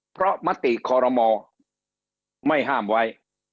เพราะมติคอรมอไม่ห้ามไว้